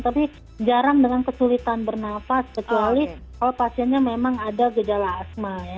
tapi jarang dengan kesulitan bernafas kecuali kalau pasiennya memang ada gejala asma ya